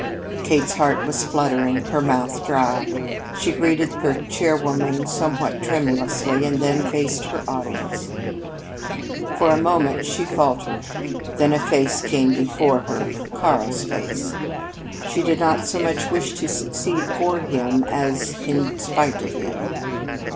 Kate's heart was fluttering, her mouth dry. She greeted her chairwoman somewhat tremulously, and then faced her audience. For a moment she faltered. Then a face came before her Karl's face. She did not so much wish to succeed for him as in despite of him.